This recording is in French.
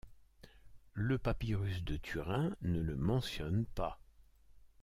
Le papyrus de Turin ne le mentionne pas.